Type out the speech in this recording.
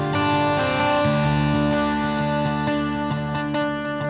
jangan lupa like